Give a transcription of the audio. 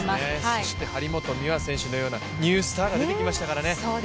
そして張本美和選手のようなニュースターが現れましたからね。